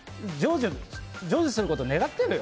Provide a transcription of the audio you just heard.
成就すること、願ってるよ。